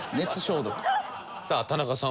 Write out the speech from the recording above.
さあ田中さん